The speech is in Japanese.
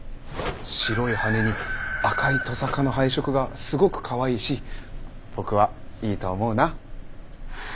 白い羽に赤いトサカの配色がすごくかわいいし僕はいいと思うな。